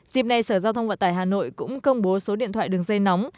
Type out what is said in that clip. dịp này sở giao thông vận tải hà nội cũng công bố số điện thoại đường dây nóng